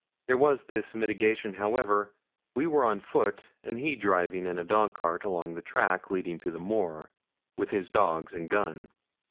There was this mitigation, however: we were on foot, and he driving in a dog cart along the track leading to the moor, with his dogs and gun.